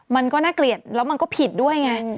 มันก็น่าเกลียดแล้วมันก็ผิดด้วยไง